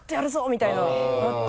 みたいななって。